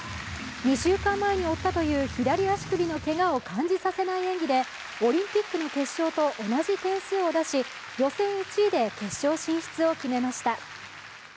２週間前に負ったという左足首のけがを感じさせない演技でオリンピックの決勝と同じ点数を出し予選１位で決勝進出を決めました。